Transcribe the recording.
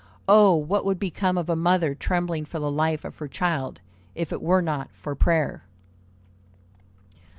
Oh, what would become of a mother trembling for the life of her child, if it were not for prayer!"